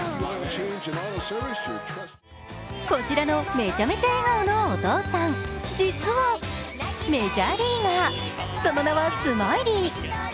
こちらのめちゃめちゃ笑顔のお父さん、実はメジャーリーガー、その名は、スマイリー。